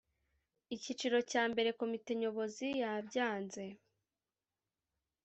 Icyiciro cya mbere Komite Nyobozi yabyanze